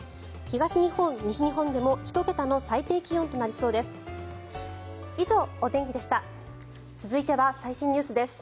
東日本、西日本でも１桁の最低気温となりそうです。